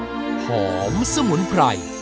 สมามสมุนไพร